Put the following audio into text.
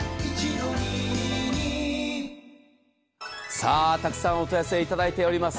さあ、たくさんお問い合わせいただいております。